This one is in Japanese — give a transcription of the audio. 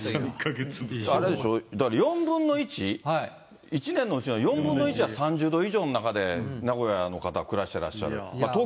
だから４分の１、１年のうちの４分の１は、３０度以上の中で、名古屋の方、暮らしてらっしゃる。